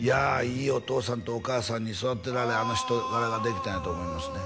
いいお父さんとお母さんに育てられあの人柄ができたんやと思いますね